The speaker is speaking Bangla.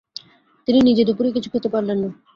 তিনি নিজে দুপুরে কিছু খেতে পারলেন না।